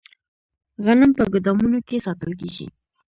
غنم په ګدامونو کې ساتل کیږي.